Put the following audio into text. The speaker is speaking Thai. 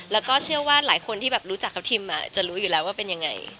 แล้วก็เชื่อว่าหลายคนที่รู้จักกับทีมจะรู้อยู่แล้วว่าเป็นยังไง